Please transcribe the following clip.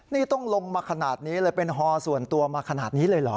นี่ต้องลงมาขนาดนี้เลยเป็นฮอส่วนตัวมาขนาดนี้เลยเหรอ